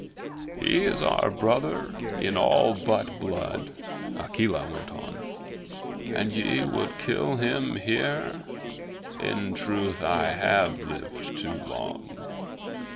"He is our brother in all but blood," Akela went on, "and ye would kill him here! In truth, I have lived too long.